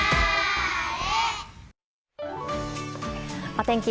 お天気